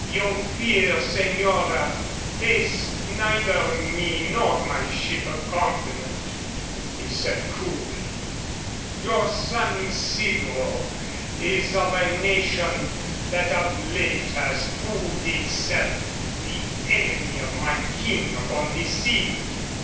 "Your fear, señora, pays neither me nor my ship a compliment," he said, coolly. "Your San Isidro is of a nation that of late has proved itself the enemy of my King upon the sea.